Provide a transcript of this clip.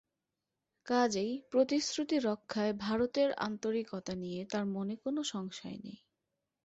কাজেই প্রতিশ্রুতি রক্ষায় ভারতের আন্তরিকতা নিয়ে তাঁর মনে কোনো সংশয় নেই।